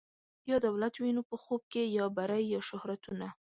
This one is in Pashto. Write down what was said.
یا دولت وینو په خوب کي یا بری یا شهرتونه